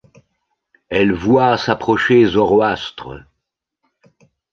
Elle voit s’approcher Zoroastre.